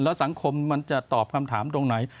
แล้วสังคมมันจะตอบคำถามตรงไหน